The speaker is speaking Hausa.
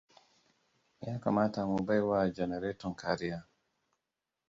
Ya kamata mu baiwa janareton kariya.